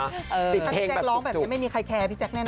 ถ้าพี่แจ๊คร้องแบบนี้ไม่มีใครแคร์พี่แจ๊แน่